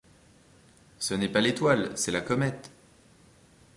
Ce n’est pas l’étoile, c’est la comète.